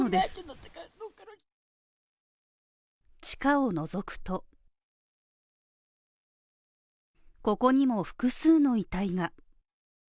地下をのぞくとここにも複数の遺体が。